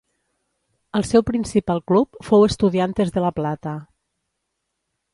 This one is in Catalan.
El seu principal club fou Estudiantes de La Plata.